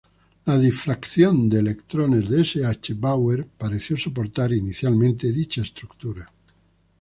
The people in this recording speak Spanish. La difracción de electrones de S. H. Bauer pareció soportar inicialmente dicha estructura.